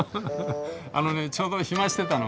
あのねちょうど暇してたの。